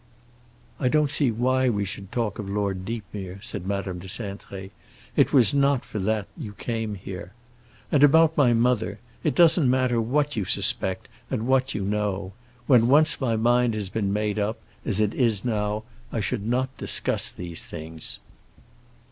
"I don't see why we should talk of Lord Deepmere," said Madame de Cintré. "It was not for that you came here. And about my mother, it doesn't matter what you suspect and what you know. When once my mind has been made up, as it is now, I should not discuss these things.